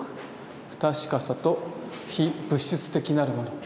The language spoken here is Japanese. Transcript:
不確かさと非物質的なるもの」。